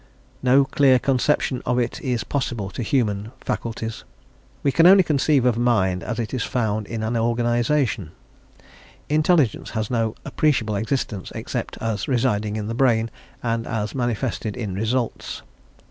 _ No clear conception of it is possible to human faculties; we can only conceive of mind as it is found in an organisation; intelligence has no appreciable existence except as residing in the brain and as manifested in results.